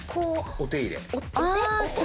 お手入れ。